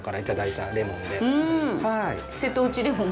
瀬戸内レモン？